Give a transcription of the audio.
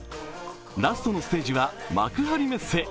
ラストのステージは幕張メッセ。